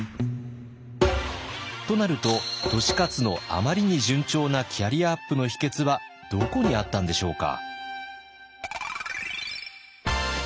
となると利勝のあまりに順調なキャリアアップの秘訣はどこにあったんでしょうか？